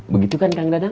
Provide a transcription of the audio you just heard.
begitu kan kang dadang